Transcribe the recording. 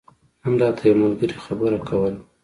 نن راته يو ملګري خبره کوله